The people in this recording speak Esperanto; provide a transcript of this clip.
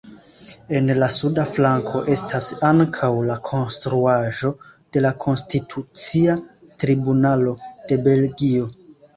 En la suda flanko estas ankaŭ la konstruaĵo de la Konstitucia Tribunalo de Belgio.